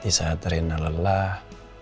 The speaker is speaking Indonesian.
di saat rina lelah